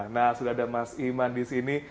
nah sudah ada mas iman di sini